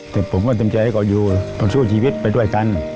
แต่ผมก็เต็มใจให้เขาอยู่ต่อสู้ชีวิตไปด้วยกัน